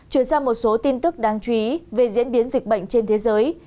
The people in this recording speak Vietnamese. chuyển sang một số tin tức đáng chú ý về diễn biến dịch bệnh trên thế giới